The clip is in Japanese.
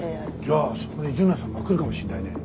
じゃあそこに純奈さんが来るかもしれないね。